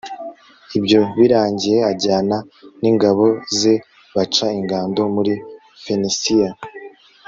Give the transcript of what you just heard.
ibyo birangiye, ajyana n'ingabo ze baca ingando muri fenisiya